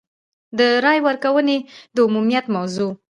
د رایې ورکونې د عمومیت موضوع.